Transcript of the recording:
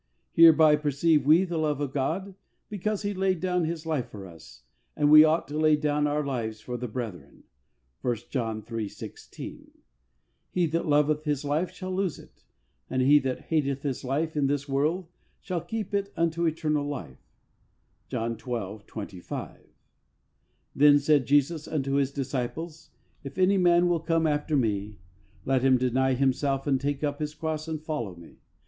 " Hereby perceive we the love of God because He laid down His life for us, and we ought to lay down our lives for the brethren " (l John iii. 16). "He that loveth his life shall lose it, and he that hateth his life in this world shall keep it unto life eternal " (John xii. 25). " Then said Jesus unto His disciples : If any man will come after Me, let him deny himself and take up his cross and follow Me.